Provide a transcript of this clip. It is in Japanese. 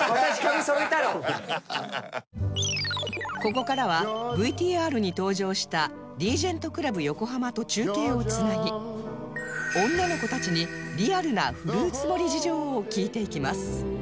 ここからは ＶＴＲ に登場したリージェントクラブ横浜と中継を繋ぎ女の子たちにリアルなフルーツ盛り事情を聞いていきます